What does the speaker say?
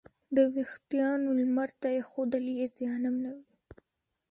د وېښتیانو لمر ته ایښودل یې زیانمنوي.